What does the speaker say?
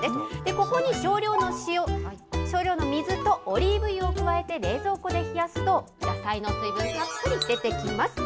ここに少量の水とオリーブ油を加えて冷蔵庫で冷やすと、野菜の水分、たっぷり出てきます。